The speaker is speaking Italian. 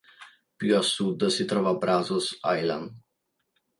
Più a sud si trova Brazos Island.